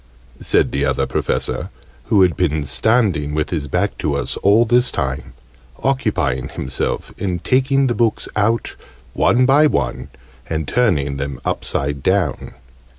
said the Other Professor, who had been standing with his back to us all this time, occupying himself in taking the books out, one by one, and turning them upside down.